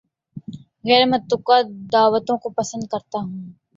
غیر متوقع دعوتوں کو پسند کرتا ہوں